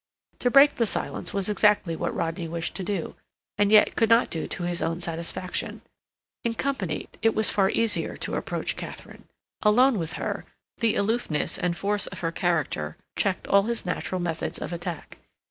To break the silence was exactly what Rodney wished to do, and yet could not do to his own satisfaction. In company it was far easier to approach Katharine; alone with her, the aloofness and force of her character checked all his natural methods of attack.